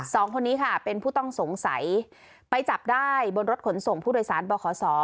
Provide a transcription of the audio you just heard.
สองคนนี้ค่ะเป็นผู้ต้องสงสัยไปจับได้บนรถขนส่งผู้โดยสารบขศ